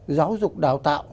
giáo dục đào tạo